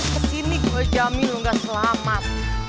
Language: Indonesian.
kesini gue jamin lu gak selamat